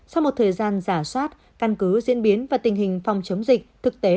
sau một thời gian giả soát căn cứ diễn biến và tình hình phòng chống dịch thực tế